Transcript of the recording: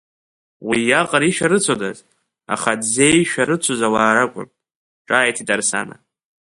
Уи иаҟара ишәарыцодаз, аха дзеишәарыцоз ауаа ракәын, ҿааиҭит Арсана.